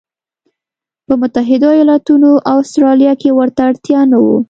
په متحدو ایالتونو او اسټرالیا کې ورته اړتیا نه وه.